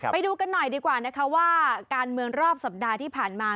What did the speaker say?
ไปดูกันหน่อยดีกว่านะคะว่าการเมืองรอบสัปดาห์ที่ผ่านมา